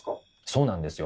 そうなんですよ。